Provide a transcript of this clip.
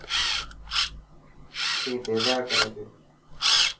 اي بيزار ڪري پيو.